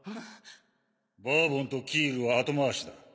バーボンとキールは後回しだ。